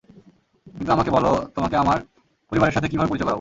কিন্তু আমাকে বলো তোমাকে আমার পরিবারের সাথে কীভাবে পরিচয় করাবো?